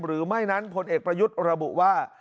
หรือไม่นั้นพลเอกประยุทธ์ระบุว่า